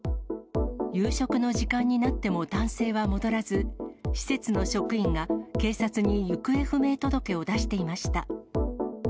夕食の時間になっても男性は戻らず、施設の職員が警察に行方不明届を出していました。